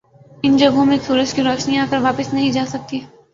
ان جگہوں میں سورج کی روشنی آکر واپس نہیں جاسکتی ۔